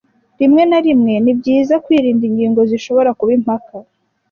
Rimwe na rimwe, ni byiza kwirinda ingingo zishobora kuba impaka.